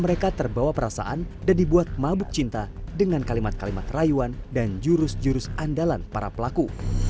mereka terbawa perasaan dan dibuat mabuk cinta dengan kalimat kalimat rayuan dan jurus jurus andalan para pelaku